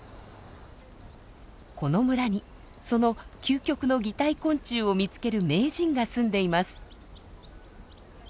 この村にその「究極の擬態昆虫」を見つける名人が住んでいます。